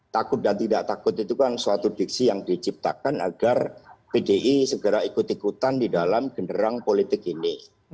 takut dan tidak takut itu kan suatu diksi yang diciptakan agar pdi segera ikut ikutan di dalam genderang politik ini